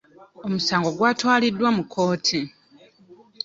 Omusango gwatwaliddwa mu kkooti.